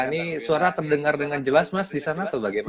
ini suara terdengar dengan jelas mas di sana atau bagaimana